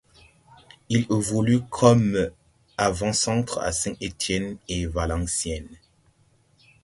Il évolue comme avant-centre à Saint-Étienne et Valenciennes.